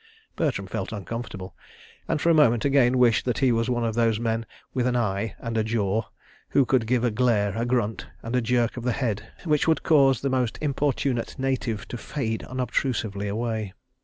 Bertram felt uncomfortable, and, for a moment, again wished that he was one of those men with an eye and a jaw who could give a glare, a grunt, and a jerk of the head which would cause the most importunate native to fade unobtrusively away.